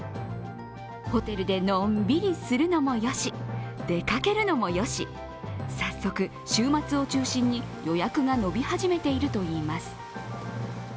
ホテルでのんびりするのもよし出かけるのもよし、早速、週末を中心に予約が伸び始めているといいます。